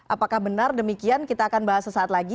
apakah benar demikian kita akan bahas sesaat lagi